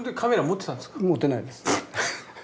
持ってないです。